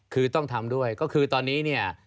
คือต้องทำด้วยก็คือตอนนี้เนี่ย